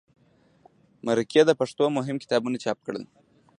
مرکې د پښتو مهم کتابونه چاپ کړل.